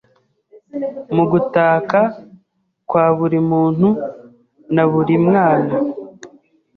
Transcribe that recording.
Mu gutaka kwa buri muntu naburimwana